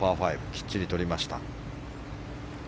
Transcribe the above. きっちりとりました。